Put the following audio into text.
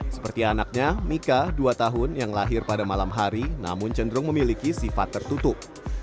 seperti anaknya mika dua tahun yang lahir pada malam hari namun cenderung memiliki sifat tertutup